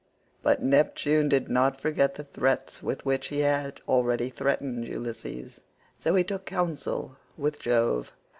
But Neptune did not forget the threats with which he had already threatened Ulysses, so he took counsel with Jove.